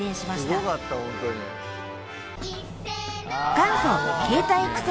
［元祖携帯育成